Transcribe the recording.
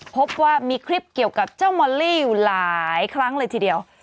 พบว่ามีคลิปเกี่ยวกับเจ้ามอรี่อยู่หลายครั้งเลยทีเดียว